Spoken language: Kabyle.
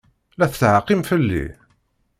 La tettɛekkim fell-i?